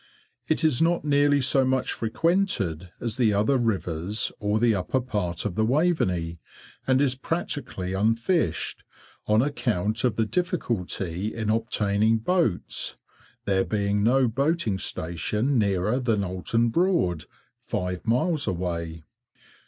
It is not nearly so much frequented as the other rivers or the upper part of the Waveney, and is practically unfished, on account of the difficulty in obtaining boats, there being no boating station nearer than Oulton Broad, five miles away.